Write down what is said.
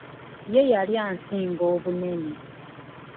Ye yali esinga obunene.